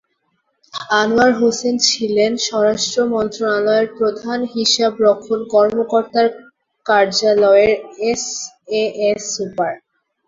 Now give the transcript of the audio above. আনোয়ার হোসেন ছিলেন স্বরাষ্ট্র মন্ত্রণালয়ের প্রধান হিসাবরক্ষণ কর্মকর্তার কার্যালয়ের এসএএস সুপার।